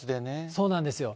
そうなんですよ。